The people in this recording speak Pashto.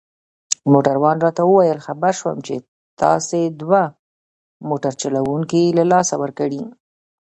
موټروان راته وویل: خبر شوم چي تاسي دوه موټر چلوونکي له لاسه ورکړي.